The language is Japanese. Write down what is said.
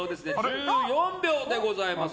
１４秒でございます。